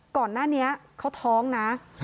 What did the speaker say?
ก่อนหน้านี้เขาท้องนะ